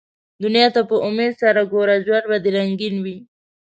دنیا ته په امېد سره ګوره ، ژوند به دي رنګین وي